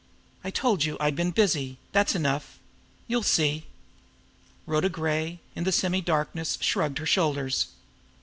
"I told you I'd been busy. That's enough! You'll see " Rhoda Gray, in the semi darkness, shrugged her shoulders.